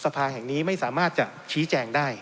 สภาแห่งนี้ไม่สามารถจะชี้แจงได้